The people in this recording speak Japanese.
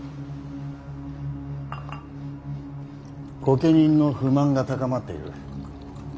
御家人の不満が高まっている。